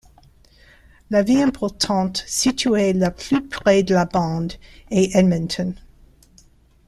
La ville importante située la plus près de la bande est Edmonton.